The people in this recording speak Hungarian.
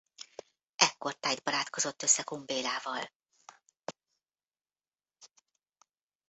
Ekkortájt barátkozott össze Kun Bélával.